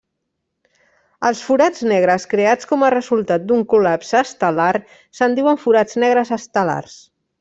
Els forats negres creats com a resultat d'un col·lapse estel·lar se'n diuen forats negres estel·lars.